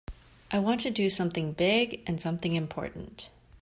I want to do something big and something important.